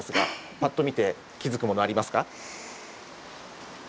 パッと見て気付くものありますか？